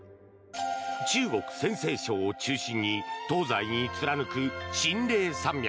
中国・陝西省を中心に東西に貫く秦嶺山脈。